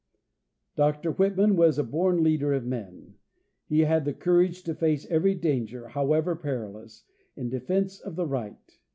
Dr Whitman was a born leader of men. He had the courage to face every danger, however perilous. in defense of the right.